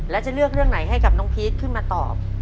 แล้วจะเลือกเรื่องไหนให้กับน้องพีชขึ้นมาตอบ